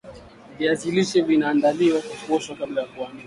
viazi lishe vinaandaliwa kwa kuoshwa kabla ya kuanikwa